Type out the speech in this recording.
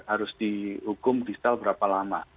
harus dihukum diesel berapa lama